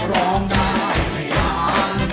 ร้องได้ให้ล้าน